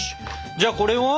じゃあこれを？